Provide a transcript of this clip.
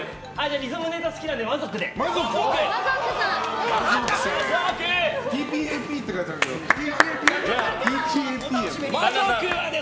リズムネタ好きなので魔族で。